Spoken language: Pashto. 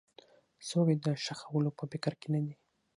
څوک یې د ښخولو په فکر کې نه دي.